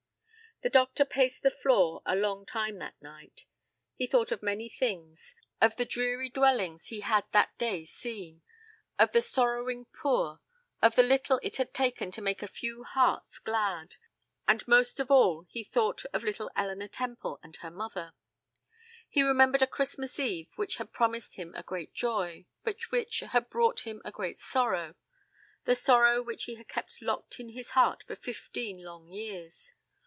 The doctor paced the floor a long time that night. He thought of many things; of the dreary dwellings he had that day seen; of the sorrowing poor; of the little it had taken to make a few hearts glad, and most of all he thought of little Elinor Temple and her mother. He remembered a Christmas Eve which had promised him a great joy, but which had brought him a great sorrow the sorrow which he had kept locked in his heart for fifteen long years.